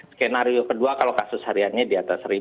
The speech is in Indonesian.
skenario kedua kalau kasus hariannya di atas satu